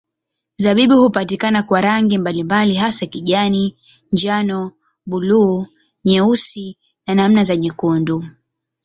Zabibu hupatikana kwa rangi mbalimbali hasa kijani, njano, buluu, nyeusi na namna za nyekundu.